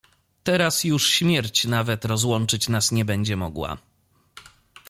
"Teraz już śmierć nawet rozłączyć nas nie będzie mogła."